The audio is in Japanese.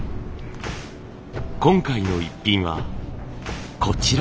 今回のイッピンはこちら。